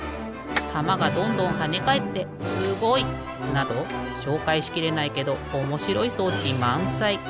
たまがどんどんはねかえってすごい！などしょうかいしきれないけどおもしろい装置まんさい！